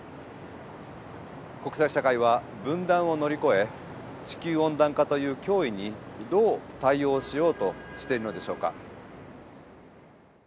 国際社会は分断を乗り越え地球温暖化という脅威にどう対応しようとしているのでしょうか。